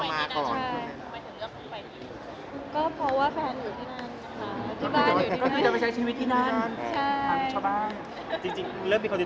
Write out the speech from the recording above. อย่างไรก็อาจจะไปที่นี่